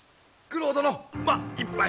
九郎殿まっ一杯。